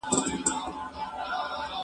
که وخت وي، کتابونه وړم،